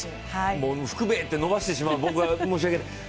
「ふくべー」と伸ばしてしまう、僕は申し訳ない。